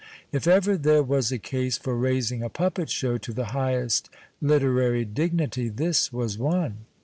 If ever there was a case for raising a puppet show to the highest literary dignity, this was one.